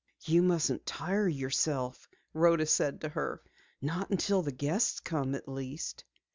"You mustn't tire yourself," Rhoda said to her. "Not until the guests come, at least."